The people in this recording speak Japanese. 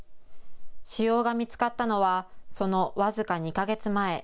腫瘍が見つかったのはその僅か２か月前。